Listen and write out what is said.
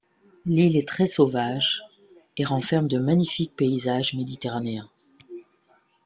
L’île est très sauvage et renferme de magnifiques paysages méditerranéens.